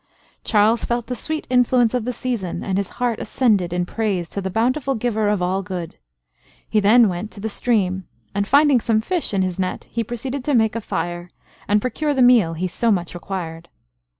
Charles felt the sweet influence of the season, and his heart ascended in praise to the bountiful Giver of all good: he then went to the stream, and finding some fish in his net, he proceeded to make a fire, and procure the meal he so much required.